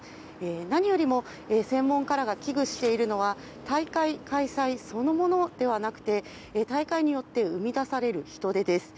何よりも専門家らが危惧しているのは大会開催そのものではなくて大会によって生み出される人出です。